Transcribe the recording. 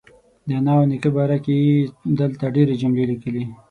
د انا او نیکه باره کې یې دلته ډېرې جملې لیکلي.